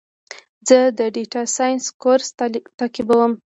زه د ډیټا ساینس کورس تعقیبوم.